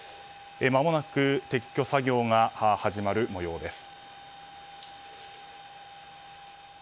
まもなく撤去作業が始まる模様です。